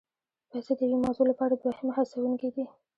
پیسې د یوې موضوع لپاره دوهمي هڅوونکي دي.